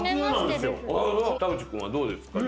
田渕君はどうですか？